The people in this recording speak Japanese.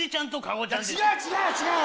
違う違う違う！